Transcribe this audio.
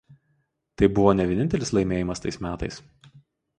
Tai buvo ne vienintelis laimėjimas tais metais.